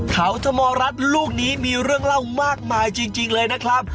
เขาธมรัฐลูกนี้มีเรื่องเล่ามากมายจริงเลยนะครับ